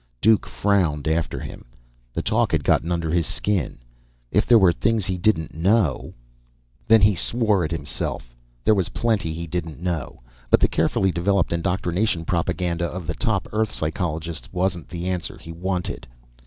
Duke frowned after him. The talk had gotten under his skin. If there were things he didn't know Then he swore at himself. There was plenty he didn't know. But the carefully developed indoctrination propaganda of the top Earth psychologists wasn't the answer he wanted.